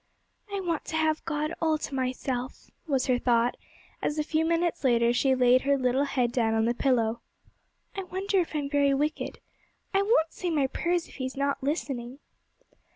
'I want to have God all to myself,' was her thought, as a few minutes later she laid her little head down on the pillow; 'I wonder if I'm very wicked. I won't say my prayers if He is not listening.'